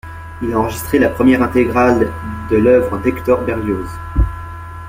Il a enregistré la première intégrale de l'œuvre d'Hector Berlioz.